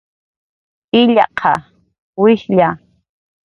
illaqa, wishlla